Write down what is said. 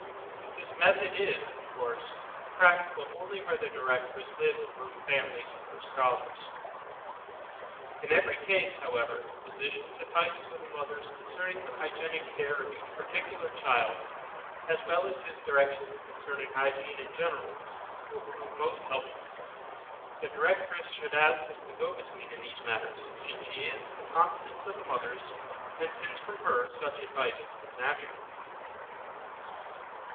This method is, of course, practical only where the directress lives among the families of her scholars. In every case, however, the physician's advice to the mothers concerning the hygienic care of each particular child, as well as his directions concerning hygiene in general, will prove most helpful. The directress should act as the go between in these matters, since she is in the confidence of the mothers, and since from her, such advice comes naturally.